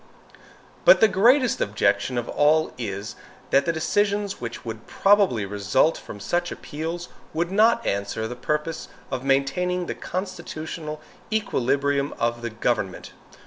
But the greatest objection of all is, that the decisions which would probably result from such appeals would not answer the purpose of maintaining the constitutional equilibrium of the government.